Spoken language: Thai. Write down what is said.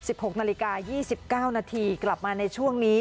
หกนาฬิกายี่สิบเก้านาทีกลับมาในช่วงนี้